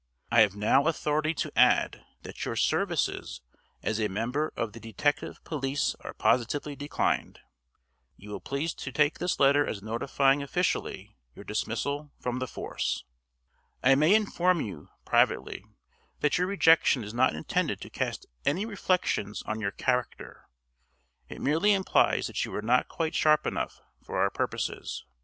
I have now authority to add that your services as a member of the Detective police are positively declined. You will please to take this letter as notifying officially your dismissal from the force. I may inform you, privately, that your rejection is not intended to cast any reflections on your character. It merely implies that you are not quite sharp enough for our purposes.